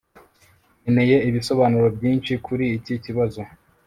nkeneye ibisobanuro byinshi kuri iki kibazo